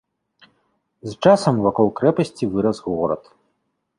З часам вакол крэпасці вырас горад.